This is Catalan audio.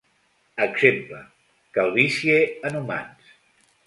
Exemple: calvície en humans.